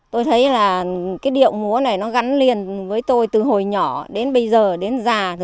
tôi thấy là cái điệu múa này nó gắn liền với tôi từ hồi nhỏ đến bây giờ đến già